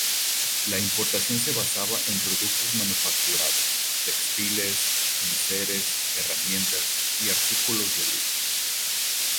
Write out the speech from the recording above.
La importación se basaba en productos manufacturados: textiles, enseres, herramientas y artículos de lujo.